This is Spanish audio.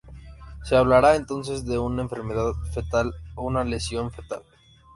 Se hablará entonces de una "enfermedad fetal" o una "lesión fetal".